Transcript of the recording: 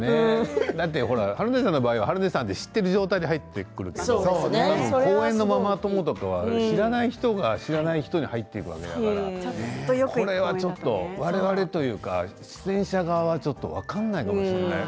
春菜ちゃんの場合は春菜ちゃんって知っている場合から入ってくるからでも公園のママ友とかは知らない人に入っていくわけだからこれはちょっと我々というか出演者側は分からないかもしれない。